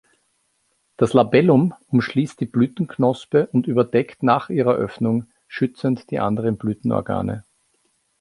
Das Labellum umschließt die Blütenknospe und überdeckt nach ihrer Öffnung schützend die anderen Blütenorgane.